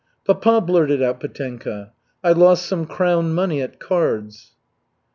"Papa," blurted out Petenka, "I lost some crown money at cards."